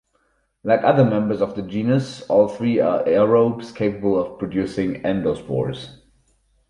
Like other members of the genus, all three are aerobes capable of producing endospores.